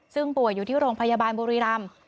ซึ่งป่วยอยู่ที่โรงพยาบาลบุรีรำ